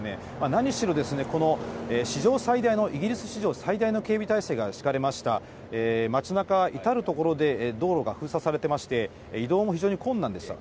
何しろ、史上最大の、イギリス史上最大の警備体制が敷かれました、街なかは至る所で道路が封鎖されてまして、移動も非常に困難でした。